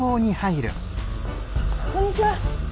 こんにちは。